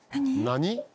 何？